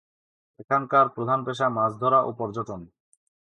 এখানকার প্রধান পেশা মাছ ধরা ও পর্যটন।